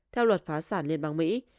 theo luật phá sản liên bang mỹ